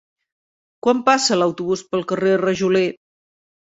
Quan passa l'autobús pel carrer Rajoler?